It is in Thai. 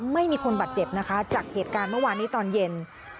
ไม่มีคนบาดเจ็บนะคะจากเหตุการณ์เมื่อวานนี้ตอนเย็น